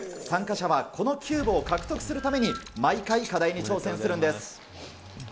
参加者はこのキューブをかくとくするために毎回、課題に挑戦するんです。